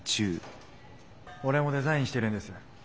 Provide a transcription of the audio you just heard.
オレも「デザイン」してるんです